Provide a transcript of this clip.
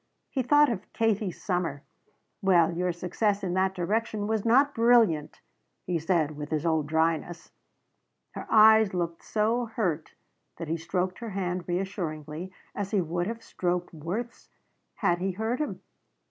He thought of Katie's summer. "Well your success in that direction was not brilliant," he said with his old dryness. Her eyes looked so hurt that he stroked her hand reassuringly, as he would have stroked Worth's had he hurt him.